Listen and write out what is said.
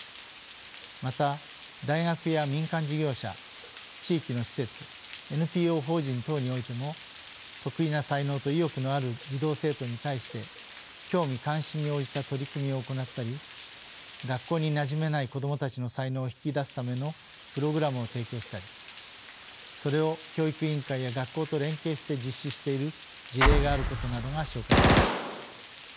また大学や民間事業者地域の施設ＮＰＯ法人等においても特異な才能と意欲のある児童生徒に対して興味・関心に応じた取り組みを行ったり学校になじめない子どもたちの才能を引き出すためのプログラムを提供したりそれを教育委員会や学校と連携して実施している事例があることなどが紹介されました。